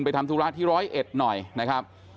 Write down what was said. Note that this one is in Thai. ทำธุระที่ร้อยเอ็ดหน่อยนะครับ